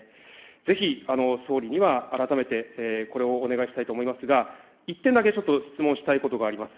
ぜひ総理には改めて、これをお願いしたいと思いますが、１点だけ、ちょっと質問したいことがあります。